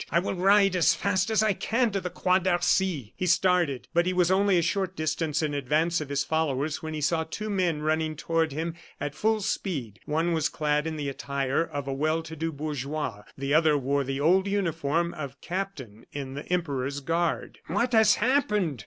I will ride as fast as I can to the Croix d'Arcy." He started, but he was only a short distance in advance of his followers when he saw two men running toward him at full speed. One was clad in the attire of a well to do bourgeois; the other wore the old uniform of captain in the Emperor's guard. "What has happened?"